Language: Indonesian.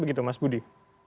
begitu mas budi